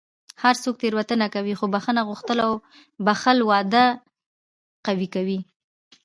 هر څوک تېروتنه کوي، خو بښنه غوښتل او بښل واده قوي کوي.